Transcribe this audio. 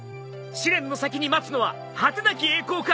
試練の先に待つのは果てなき栄光か？